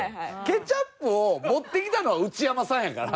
ケチャップを持ってきたのは内山さんやから。